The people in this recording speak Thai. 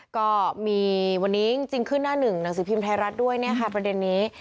ก็มีวันนี้จริงขึ้นหน้าหนึ่งหนังสือพิมพ์ไทยรัฐด้วยเนี่ยค่ะประเด็นนี้